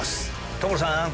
所さん！